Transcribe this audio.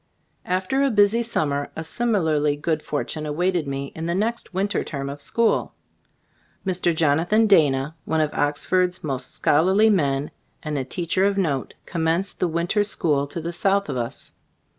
After a busy summer a similarly good fortune awaited me in the next winter term of school. Mr. Jonathan * Dana, one of Oxford's most scholarly » men and a teacher of note, com menced the winter school to the south of us.